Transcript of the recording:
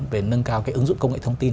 về nâng cao cái ứng dụng công nghệ thông tin